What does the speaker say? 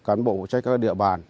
vẫn hơn đối cử với cestar